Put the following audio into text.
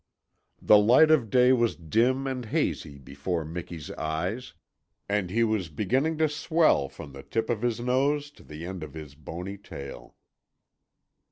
The light of day was dim and hazy before Miki's eyes, and he was beginning to swell from the tip of his nose to the end of his bony tail.